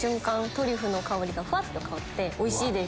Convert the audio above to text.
トリュフの香りがふわっと香っておいしいです。